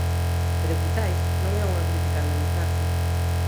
Pero Quizais non é unha crítica á democracia.